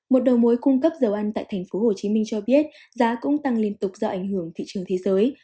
một đầu mối cung cấp dầu ăn tại thành phố hồ chí minh cho biết giá cũng tăng liên tục do ảnh hưởng thị trường thế giới